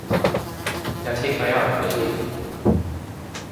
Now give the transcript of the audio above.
Now take my arm, will you?